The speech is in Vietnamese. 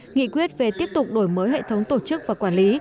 nghị quyết về tiếp tục đổi mới hệ thống tổ chức và quản lý